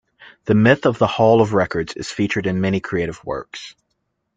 The myth of the Hall of Records is featured in many creative works.